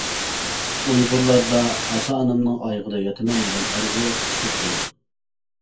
ئۇيغۇرلاردا «ئاتا-ئانامنىڭ ئايىغىدا ياتىمەن» دېگەن ئارزۇ كۈچلۈك بولىدۇ.